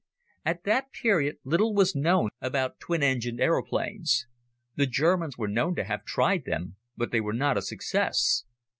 At that period little was known about twin engined aeroplanes. The Germans were known to have tried them, but they were not a success.